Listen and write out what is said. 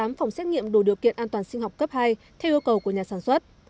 hai mươi tám phòng xét nghiệm đồ điều kiện an toàn sinh học cấp hai theo yêu cầu của nhà sản xuất